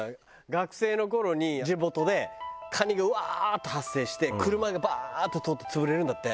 学生の頃に地元でカニがうわーっと発生して車がぶわーって通って潰れるんだって。